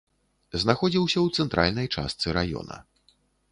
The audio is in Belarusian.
Знаходзіўся ў цэнтральнай частцы раёна.